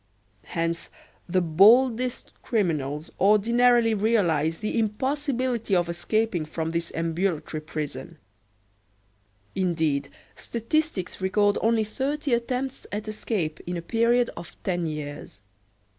Hence, the boldest criminals ordinarily realize the impossibility of escaping from this ambulatory prison. Indeed, statistics record only thirty attempts at escape in a period of ten years.